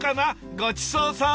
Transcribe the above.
ごちそうさん！